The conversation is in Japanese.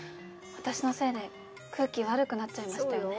私のせいで空気悪くなっちゃいましたよね。